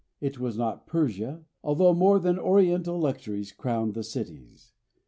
It was not in Persia, although more than oriental luxuries crowned the cities.